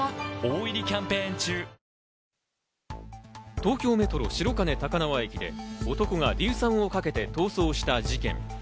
東京メトロ・白金高輪駅で男が硫酸をかけて逃走した事件。